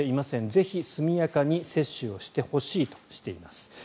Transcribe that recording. ぜひ速やかに接種をしてほしいとしています。